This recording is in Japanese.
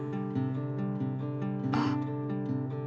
あっ。